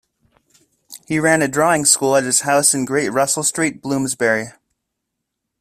He ran a drawing school at his house in Great Russell Street, Bloomsbury.